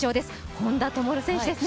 本多灯選手ですね。